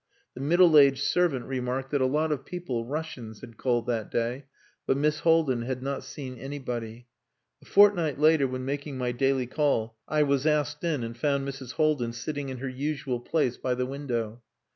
The middle aged servant remarked that a lot of people Russians had called that day, but Miss Haldin bad not seen anybody. A fortnight later, when making my daily call, I was asked in and found Mrs. Haldin sitting in her usual place by the window.